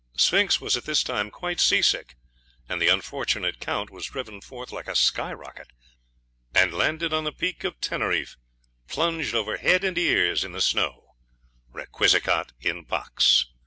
Sphinx was at this time quite sea sick, and the unfortunate count was driven forth like a sky rocket, and landed upon the peak of Teneriffe, plunged over head and ears in the snow _requiescat in pace!